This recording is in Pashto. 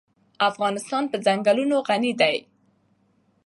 افغانستان په چنګلونه غني دی.